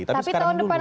tapi sekarang dulu